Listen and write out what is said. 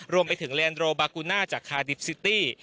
รวมไปถึงเรียนโดร์บากูน่าจากคาดิฟต์ซิตี้